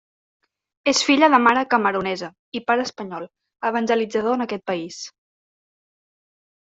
És filla de mare camerunesa i pare espanyol, evangelitzador en aquest país.